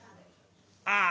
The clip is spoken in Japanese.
ああ！